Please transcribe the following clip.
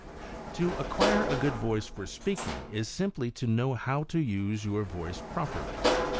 To acquire a good voice for speaking is simply to know how to use your voice properly.